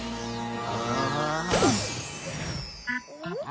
あ。